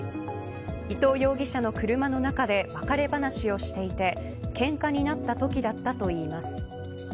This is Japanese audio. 伊藤容疑者の車の中で別れ話をしていてけんかになったときだったといいます。